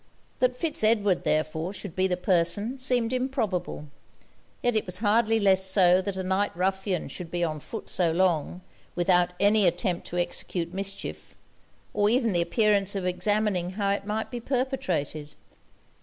That Fitz Edward, therefore, should be the person, seemed improbable; yet it was hardly less so that a night ruffian should be on foot so long, without any attempt to execute mischief, or even the appearance of examining how it might be perpetrated.